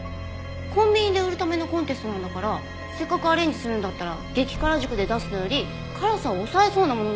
コンビニで売るためのコンテストなんだからせっかくアレンジするんだったら激辛塾で出すのより辛さを抑えそうなものなのに。